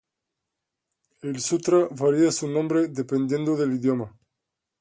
El Sutra varía su nombre dependiendo del idioma.